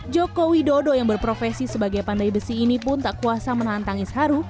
jokowi dodo yang berprofesi sebagai pandai besi ini pun tak kuasa menantang isharu